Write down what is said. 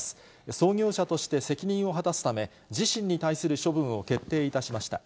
創業者として責任を果たすため、自身に対する処分を決定いたしました。